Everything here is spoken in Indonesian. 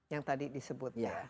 yang tadi disebut